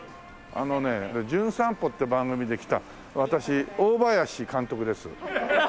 あのね『じゅん散歩』って番組で来た私大林監督です。